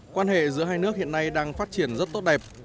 quan hệ giữa hai nước hiện nay đang phát triển rất tốt đẹp